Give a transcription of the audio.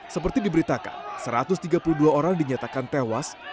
seperti diberitakan satu ratus tiga puluh dua orang dinyatakan tewas